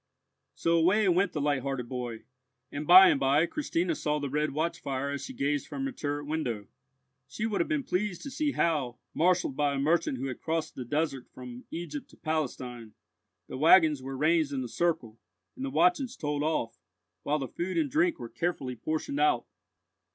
So away went the light hearted boy, and by and by Christina saw the red watch fire as she gazed from her turret window. She would have been pleased to see how, marshalled by a merchant who had crossed the desert from Egypt to Palestine, the waggons were ranged in a circle, and the watches told off, while the food and drink were carefully portioned out.